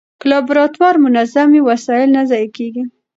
که لابراتوار منظم وي، وسایل نه ضایع کېږي.